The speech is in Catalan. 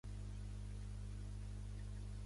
Ella viu a Fulham, al sud-oest de Londres.